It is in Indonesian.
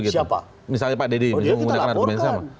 oh kita laporkan